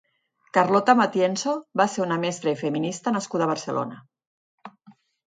Carlota Matienzo va ser una mestra i feminista nascuda a Barcelona.